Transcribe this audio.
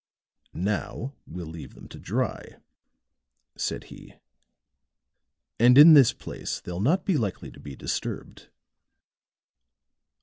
"Now we'll leave them to dry," said he, "and in this place they'll not be likely to be disturbed."